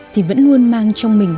thì vẫn luôn mang trong mình